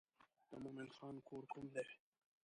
د مومن خان کور کوم دی.